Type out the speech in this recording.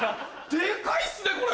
デカいっすねこれ。